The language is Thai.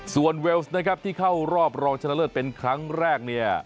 ส่วนเวลส์นะครับที่เข้ารอบรองชนะเลิศเป็นครั้งแรกเนี่ย